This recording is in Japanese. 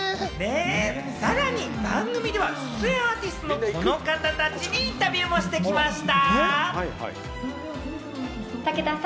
さらに番組では、出演アーティストのこの方たちにインタビューしてきました。